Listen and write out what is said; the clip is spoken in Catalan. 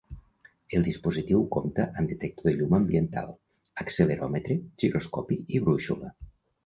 El dispositiu compta amb detector de llum ambiental, acceleròmetre, giroscopi i brúixola.